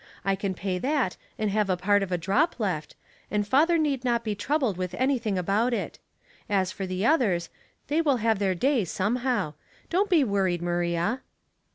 I can pay that and have a part of a drop left, and father need not be trou bled with anything about it. As for the others, they will have their day somehow. Don't be worried, Maria."